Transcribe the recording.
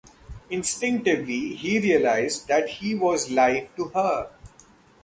Instinctively he realised that he was life to her.